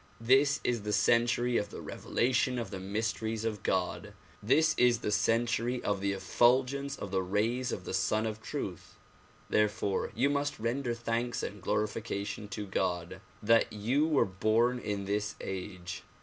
This is the century of the revelation of the mysteries of God. This is the century of the effulgence of the rays of the Sun of Truth. Therefore you must render thanks and glorification to God that you were born in this age.